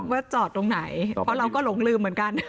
ว่าจอดตรงไหนเพราะเราก็หลงลืมเหมือนกัน